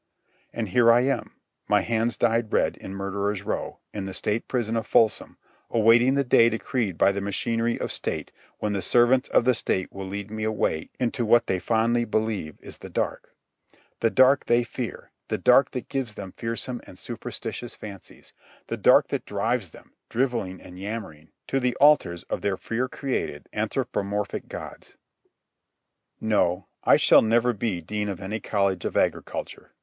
And here I am, my hands dyed red in Murderers' Row, in the State Prison of Folsom, awaiting the day decreed by the machinery of state when the servants of the state will lead me away into what they fondly believe is the dark—the dark they fear; the dark that gives them fearsome and superstitious fancies; the dark that drives them, drivelling and yammering, to the altars of their fear created, anthropomorphic gods. No; I shall never be Dean of any college of agriculture.